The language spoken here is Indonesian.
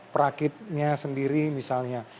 prakitnya sendiri misalnya